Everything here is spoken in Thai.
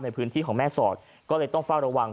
ในพื้นที่ของแม่สอดก็เลยต้องเฝ้าระวัง